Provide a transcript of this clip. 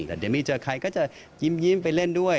แต่เดี๋ยวไม่เจอใครก็จะยิ้มไปเล่นด้วย